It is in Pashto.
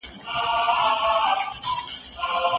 ښاغلی سید عالم